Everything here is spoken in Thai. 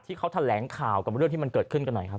ที่เขาแถลงข่าวกับเรื่องที่มันเกิดขึ้นกันหน่อยครับ